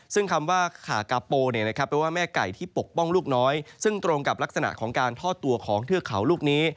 ซึ่งคำว่าขากาโปเป็นว่าแม่ไก่ที่ปกป้องลูกน้อยซึ่งตรงกับลักษณะของการทอดตัวของเทือกเขาลูกนี้